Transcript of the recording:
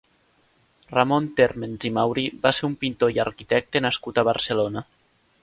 Ramon Térmens i Mauri va ser un pintor i arquitecte nascut a Barcelona.